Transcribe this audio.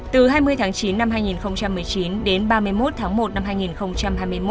từ hai mươi tháng chín năm hai nghìn một mươi chín đến ba mươi một tháng một năm hai nghìn hai mươi một